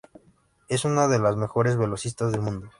Es una de las mejores velocistas del mundo.